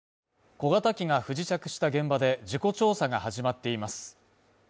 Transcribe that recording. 小型機が不時着した現場で事故調査が始まっています。